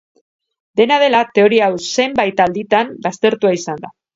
Dena dela, teoria hau zenbait alditan baztertua izan da.